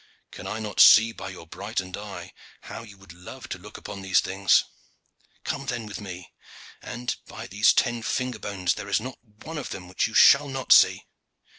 Can I not see by your brightened eye how you would love to look upon these things? Come then with me, and, by these ten finger bones! there is not one of them which you shall not see."